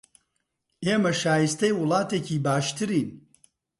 ئێمە شایستەی وڵاتێکی باشترین